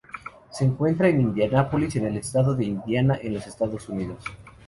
Se encuentra en Indianápolis, en el estado de Indiana, en los Estados Unidos.